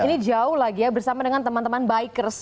ini jauh lagi ya bersama dengan teman teman bikers